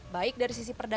baik dari sisi perdamaian